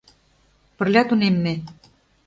Пырля тунемме…